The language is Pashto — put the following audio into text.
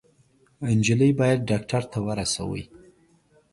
_نجلۍ بايد ډاکټر ته ورسوئ!